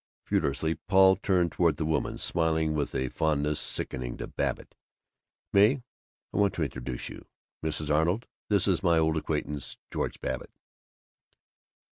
Furiously Paul turned toward the woman, smiling with a fondness sickening to Babbitt. "May! Want to introduce you. Mrs. Arnold, this is my old acquaintance, George Babbitt."